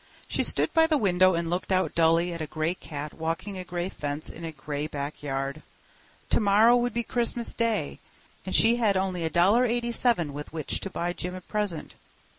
She stood by the window and looked out dully at a gray cat walking a gray fence in a gray backyard. Tomorrow would be Christmas Day, and she had only $1.87 with which to buy Jim a present.